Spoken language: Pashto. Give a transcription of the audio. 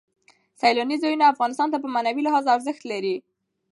سیلاني ځایونه افغانانو ته په معنوي لحاظ ارزښت لري.